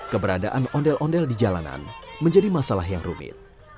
keberadaan ondel ondel di jalanan menjadi masalah yang rumit